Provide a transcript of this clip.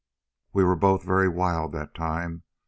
"We were both very wild that time.